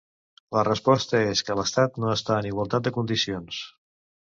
La resposta és que l'Estat no està en igualtat de condicions.